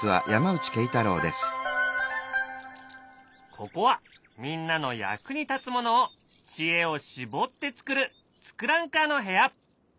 ここはみんなの役に立つものを知恵を絞って作る「ツクランカー」の部屋。